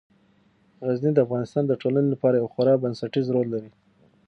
غزني د افغانستان د ټولنې لپاره یو خورا بنسټيز رول لري.